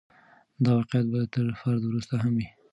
دا واقعیت به تر فرد وروسته هم وي.